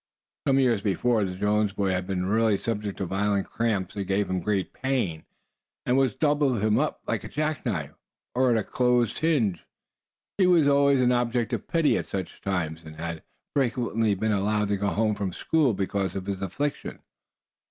Some years before, the Jones boy had really been subject to violent cramps that gave him great pain, and doubled him up like a jack knife, or a closed hinge. He was always an object of pity at such times, and had frequently been allowed to go home from school because of his affliction.